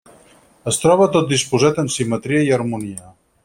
Es troba tot disposat amb simetria i harmonia.